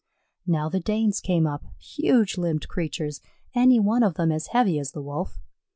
Now the Danes came up, huge limbed creatures, any one of them as heavy as the Wolf.